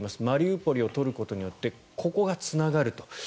マリウポリを取ることによってここがつながると。